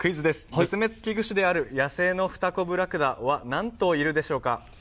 絶滅危惧種である野生のフタコブラクダは何頭いるでしょうか。